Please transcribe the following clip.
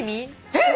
えっ！？